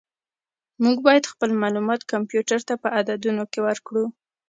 موږ باید خپل معلومات کمپیوټر ته په عددونو کې ورکړو.